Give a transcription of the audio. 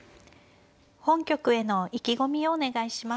本局への意気込みをお願いします。